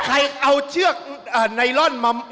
ใครเอาเชือกไนลอนมา